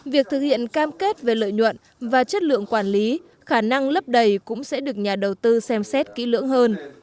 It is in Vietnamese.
việc thực hiện cam kết về lợi nhuận và chất lượng quản lý khả năng lấp đầy cũng sẽ được nhà đầu tư xem xét kỹ lưỡng hơn